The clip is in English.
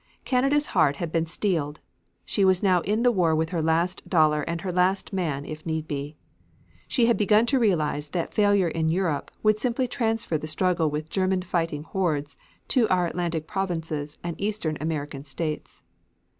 Canada's heart had been steeled. She was now in the war with her last dollar and her last man if need be. She had begun to realize that failure in Europe would simply transfer the struggle with the German fighting hordes to our Atlantic provinces and the eastern American states.